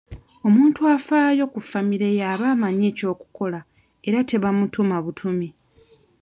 Omuntu afaayo ku famire ye aba amanyi eky'okukola era tebamutuma butumi.